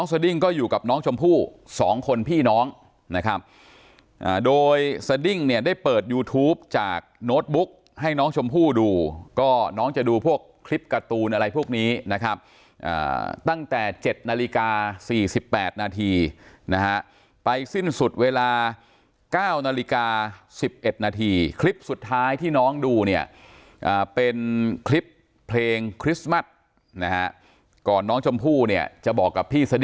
สดิ้งก็อยู่กับน้องชมพู่สองคนพี่น้องนะครับอ่าโดยสดิ้งเนี้ยได้เปิดยูทูปจากโน้ตบุ๊กให้น้องชมพู่ดูก็น้องจะดูพวกคลิปการ์ตูนอะไรพวกนี้นะครับอ่าตั้งแต่เจ็ดนาฬิกาสี่สิบแปดนาทีนะฮะไปสิ้นสุดเวลาเก้านาฬิกาสิบเอ็ดนาทีคลิปสุดท้ายที่น้องดูเนี้ยอ่าเป็นคลิปเพลงคริสต์มัสนะฮะก่